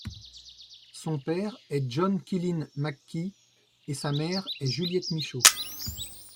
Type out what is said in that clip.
Son père est John Killeen McKee et sa mère est Juliette Michaud.